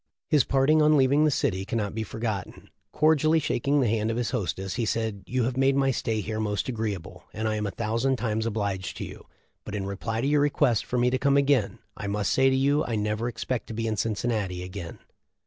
His parting on leaving the city cannot be forgotten. Cordially shaking the hand of his hostess he said : 'You have made my stay here most agreeable, and I am a thousand times obliged to you ; but in reply to your request for me to come again, I must say to you I never expect to be in Cincinnati again.